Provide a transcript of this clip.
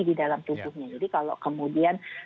di dalam tubuhnya jadi kalau kemudian